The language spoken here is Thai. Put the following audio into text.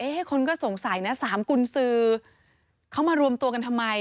ให้คนก็สงสัยนะ๓กุญสือเขามารวมตัวกันทำไม